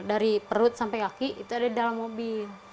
dari perut sampai kaki itu ada di dalam mobil